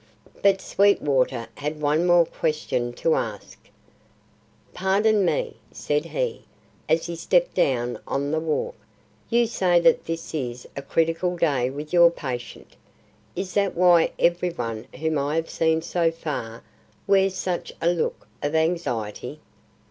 But Sweetwater had one more question to ask. "Pardon me," said he, as he stepped down on the walk, "you say that this is a critical day with your patient. Is that why every one whom I have seen so far wears such a look of anxiety?"